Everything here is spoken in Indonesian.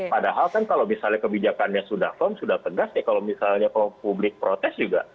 padahal kan kalau misalnya kebijakannya sudah firm sudah tegas ya kalau misalnya kalau publik protes juga